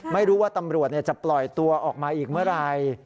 ไม่รู้ว่าตำรวจจะปล่อยตัวออกมาอีกเมื่อไหร่